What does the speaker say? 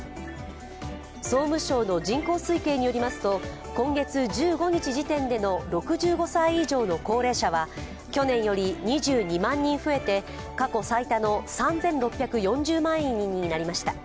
総務省の人口推計によりますと今月１５日時点での６５歳以上の高齢者は去年より２２万人増えて過去最多の３６４０万人になりました。